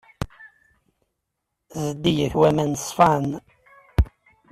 Zeddigit waman ṣṣfan.